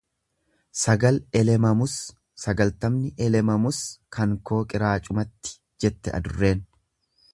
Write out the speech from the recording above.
Sagal elemamus sagaltamni elemamus kankoo qiraacumatti jette adurreen